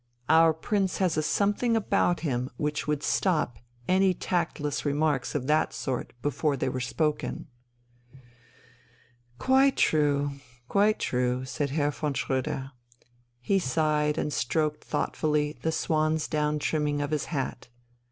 Our Prince has a something about him which would stop any tactless remarks of that sort before they were spoken ..." "Quite true, quite true," said Herr von Schröder. He sighed and stroked thoughtfully the swansdown trimming of his hat.